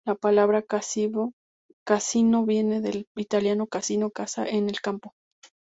La palabra casino viene del italiano "casino", casa en el campo.